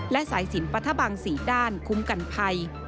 และสายสินปรัฐบัง๔ด้านคุ้มกันภัย